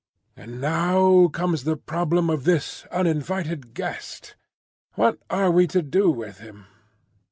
"And now comes the problem of this uninvited guest. What are we to do with him?"